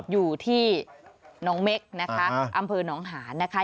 อยู่ที่น้องเม็กนะคะอำเภอหนองหานนะคะ